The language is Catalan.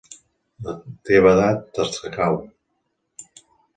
La teva edat t'escau.